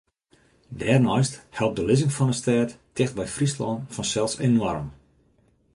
Dêrneist helpt de lizzing fan de stêd ticht by Fryslân fansels enoarm.